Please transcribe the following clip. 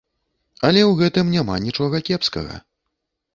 Але ў гэтым няма нічога кепскага.